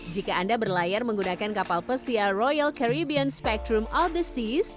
jika anda berlayar menggunakan kapal pesia royal caribbean spectrum odyssey